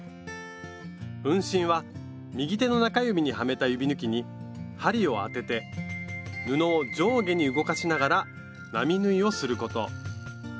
運針は右手の中指にはめた指ぬきに針を当てて布を上下に動かしながら並縫いをすること。